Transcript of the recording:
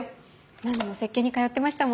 何度も接見に通ってましたもんね。